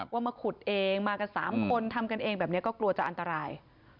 ว่ามาขุดเองมากัน๓คนทำกันเองแบบนี้ก็กลัวจะอันตราย